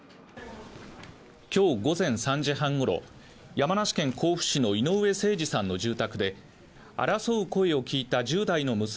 今日午前３時半ごろ山梨県甲府市の井上盛司さんの住宅で争う声を聞いた１０代の娘